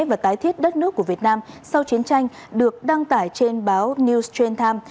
và tái thiết đất nước của việt nam sau chiến tranh được đăng tải trên báo newschain time